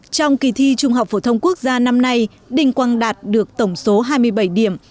trong kỳ thi trung học phổ thông quốc gia năm nay đình quang đạt được tổng số hai mươi bảy điểm